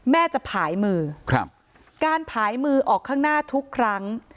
แม่จะผายมือการผายมือออกข้างหน้าทุกครั้ง